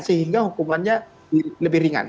sehingga hukumannya lebih ringan